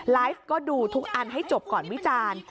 ไลฟ์ก็ดูทุกอันให้จบก่อนวิจารณ์